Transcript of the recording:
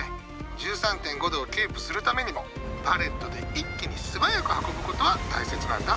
１３．５度をキープするためにもパレットで一気に素早く運ぶことは大切なんだ。